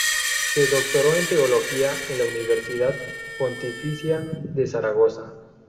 Se doctoró en teología en la Universidad Pontificia de Zaragoza.